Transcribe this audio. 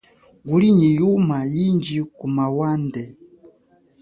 Nguli nyi yimuna yindji kuma wande.